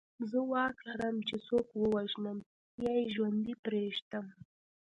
زه واک لرم چې څوک ووژنم یا یې ژوندی پرېږدم